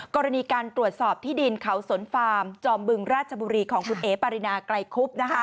กรณีการตรวจสอบที่ดินเขาสนฟาร์มจอมบึงราชบุรีของคุณเอ๋ปารินาไกรคุบ